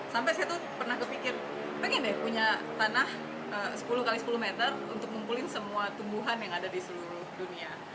sampai saya tuh pernah kepikir pengen deh punya tanah sepuluh x sepuluh meter untuk ngumpulin semua tumbuhan yang ada di seluruh dunia